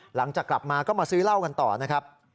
หลังจากกลับมาก็มาซื้อเหล้ากันต่อนะครับ